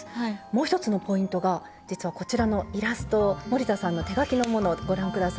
もう一つのポイントが実はこちらのイラスト森田さんの手描きのものをご覧下さい。